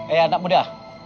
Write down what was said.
eh anak muda